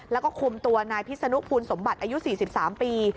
แล้วก็คุมตัวนายพิษนุภูนสมบัติอายุ๔๓ปี